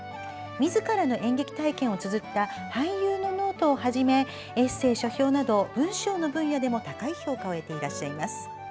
自らの演劇体験をつづった「俳優のノート」をはじめエッセー、書評など文章の分野でも高い評価を得ていらっしゃいます。